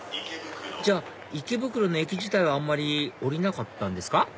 じゃあ池袋の駅自体はあんまり降りなかったんですか？